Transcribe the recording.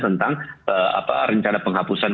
tentang apa rencana penghapusan